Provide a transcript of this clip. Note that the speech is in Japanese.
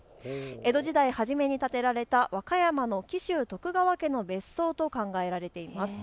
江戸時代初めに建てられた和歌山の紀州徳川家の別荘と考えられています。